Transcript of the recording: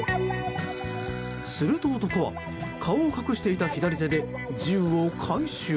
すると男は顔を隠していた左手で銃を回収。